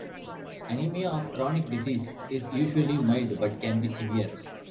Anemia of chronic disease is usually mild but can be severe.